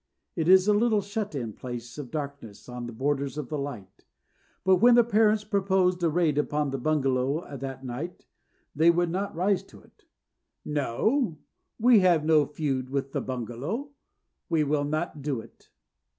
It is a little shut in place of darkness on the borders of the light. But when the parents proposed a raid upon the bungalow that night they would not rise to it. "No, we have no feud with the bungalow. We will not do it."